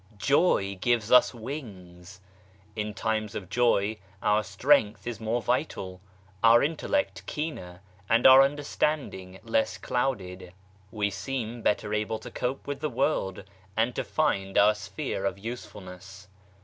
Joy gives us wings ! In times of joy our strength is more vital, our intellect keener, and our understand ing less clouded. We seem better able to cope with the world and to find our sphere of usefulness.